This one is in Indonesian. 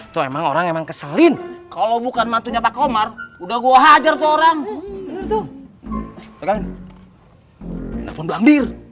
tuh emang orang emang keselin kalau bukan matunya pak komar udah gua hajar tuh orang